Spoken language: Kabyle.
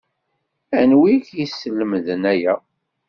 Anwi i k-yeslemden aya?